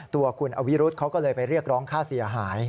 ตัวคุณอวิรุธเขาก็เลยไปเรียกร้องค่าเสียหาย